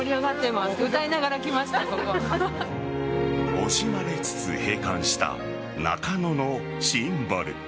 惜しまれつつ閉館した中野のシンボル。